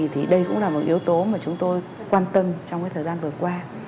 thì đây cũng là một yếu tố mà chúng tôi quan tâm trong thời gian vừa qua